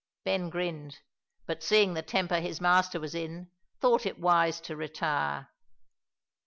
Ben grinned, but seeing the temper his master was in, thought it wise to retire.